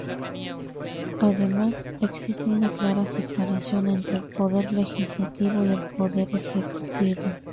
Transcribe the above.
Además, existe una clara separación entre el poder legislativo y el poder ejecutivo.